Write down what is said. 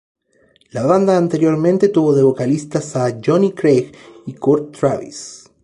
La banda anteriormente tuvo de vocalistas a Jonny Craig y Kurt Travis.